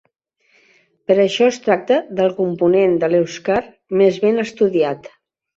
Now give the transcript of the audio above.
Per això es tracta del component de l'èuscar més ben estudiat.